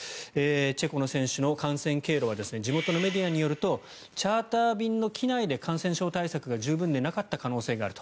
チェコの選手の感染経路は地元メディアによるとチャーター便の機内で感染症対策が十分でなかった可能性があると。